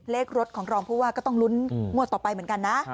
เลขรถของรองผู้ว่าก็ต้องลุ้นงวดต่อไปเหมือนกันนะ